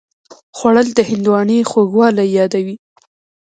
خوړل د هندوانې خوږوالی یادوي